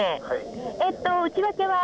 内訳は？